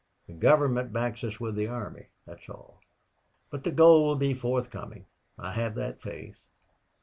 The Government backs us with the army that's all. But the gold will be forthcoming. I have that faith....